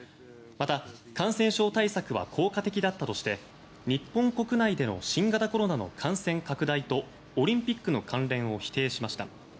また、感染症対策は効果的だったとして日本国内での新型コロナの感染拡大とオリンピックの関連を否定しました。